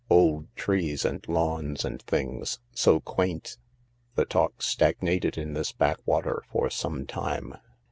" Old trees and lawns and things. So quaint." The talk stagnated in this backwater for some time.